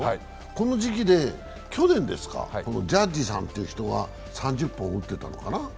この時期で去年、ジャッジさんっていう人が３０本打ってたのかな。